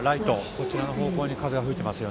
こちらの方向に風が吹いています。